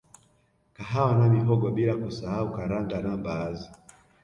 Kahawa na mihogo bila kusahau Karanga na mbaazi